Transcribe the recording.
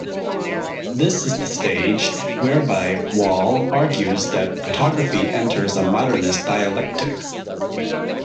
This is the stage whereby Wall argues that photography enters a "modernist dialectic".